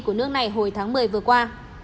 của nước này hồi tháng một mươi vừa qua